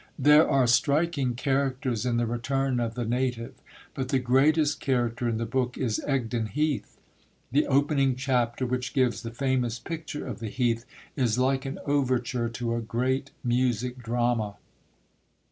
There are striking characters in The Return of the Native, but the greatest character in the book is Egdon Heath. The opening chapter, which gives the famous picture of the Heath, is like an overture to a great music drama.